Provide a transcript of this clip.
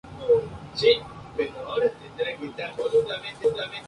La ciudad de Aix-les-Bains ha sostenido por su parte, desde entonces, el festival.